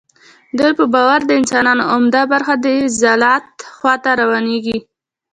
دوی په باور د انسانانو عمده برخه د ضلالت خوا ته روانیږي.